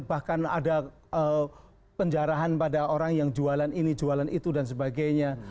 bahkan ada penjarahan pada orang yang jualan ini jualan itu dan sebagainya